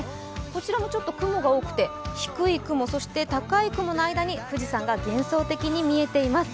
こちらもちょっと雲が多くて低い雲そして高い雲の間に富士山が幻想的に見えています。